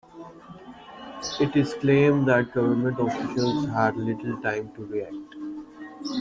It is claimed that government officials had little time to react.